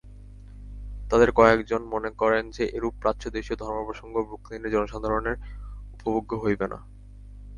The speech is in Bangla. তাঁদের কয়েকজন মনে করেন যে, এরূপ প্রাচ্যদেশীয় ধর্মপ্রসঙ্গ ব্রুকলিনের জনসাধারণের উপভোগ্য হবে না।